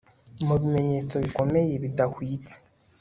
Mu bimenyetso bikomeye bidahwitse